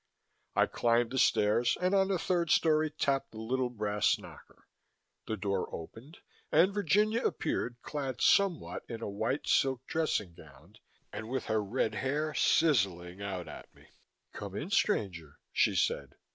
I climbed the stairs and on the third story tapped the little brass knocker. The door opened and Virginia appeared clad somewhat in a white silk dressing gown and with her red hair sizzling out at me. "Come in, stranger," she said.